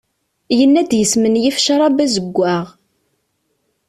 Yenna-d yesmenyif ccrab azewwaɣ.